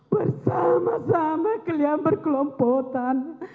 bersama sama kalian berkelompotan